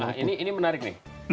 nah ini menarik nih